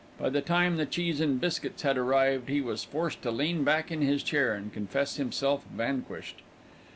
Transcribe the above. By the time the cheese and biscuits had arrived, he was forced to lean back in his chair and confess himself vanquished.